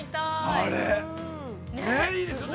◆あれ、いいですよね。